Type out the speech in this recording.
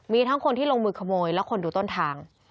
มีทั้งคนที่ลงมือขโมยและคนดูต้นทาง